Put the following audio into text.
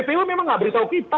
kppu memang gak beritahu kita